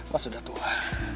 mas udah tua